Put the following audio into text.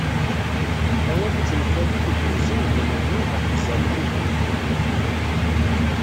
Awal d tenfalit d yizen d umennuɣ ɣef yizerfan n tmeṭṭut.